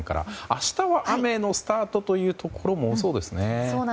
明日は雨のスタートというところも多そうですね。